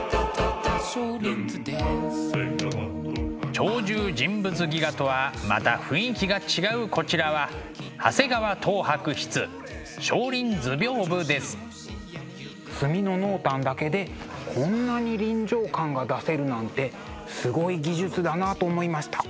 「鳥獣人物戯画」とはまた雰囲気が違うこちらは墨の濃淡だけでこんなに臨場感が出せるなんてすごい技術だなと思いました。